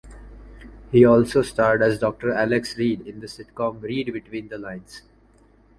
He also starred as Doctor Alex Reed in the sitcom "Reed Between the Lines".